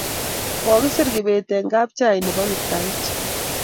Kokisir Kibet eng' kapchai nebo Kiptagich